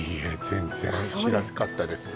全然知らなかったです